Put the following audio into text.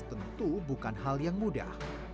tentu bukan hal yang mudah